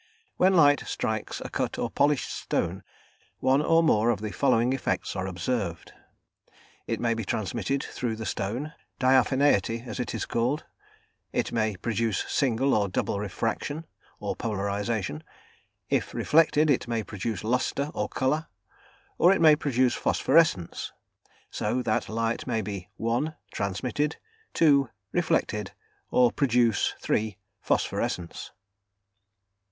When light strikes a cut or polished stone, one or more of the following effects are observed: it may be transmitted through the stone, diaphaneity, as it is called; it may produce single or double refraction, or polarisation; if reflected, it may produce lustre or colour; or it may produce phosphorescence; so that light may be (1) transmitted; (2) reflected; or produce (3) phosphorescence.